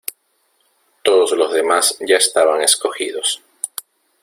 Todos los demás ya estaban escogidos.